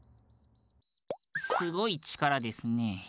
すごいちからですね。